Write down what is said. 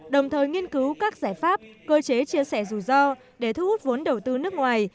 đồng thời nghiên cứu các giải pháp cơ chế chia sẻ rủi ro để thu hút vốn đầu tư nước ngoài